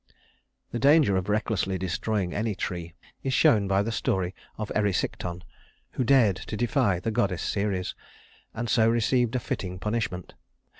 " The danger of recklessly destroying any tree is shown by the story of Erysichthon, who dared to defy the goddess Ceres, and so received a fitting punishment.